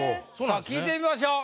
さあ聞いてみましょう。